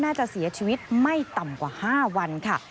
น่าจะเสียชีวิตไม่ต่ำกว่า๕วันค่ะ